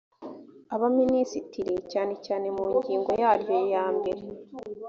abaminisitiri cyane cyane mu ngingo yaryo yambere